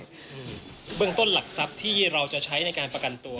สมัครมันต้องมาบังต้นหลักที่จะใช้ในการประกันตัว